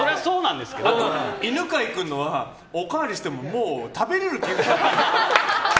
犬飼君のはおかわりしてももう食べれる気がしない。